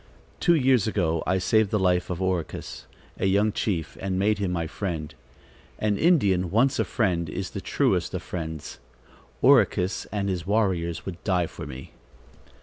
Two years ago I saved the life of Oracus, a young chief, and made him my friend. An Indian, once a friend, is the truest of friends. Oracus and his warriors would die for me."